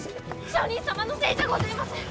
上人様のせいじゃごぜえません！